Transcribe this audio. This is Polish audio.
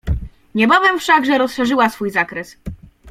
"Niebawem wszakże rozszerzyła swój zakres."